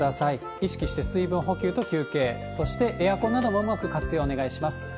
意識して水分補給と休憩、そしてエアコンなどもうまく活用お願いします。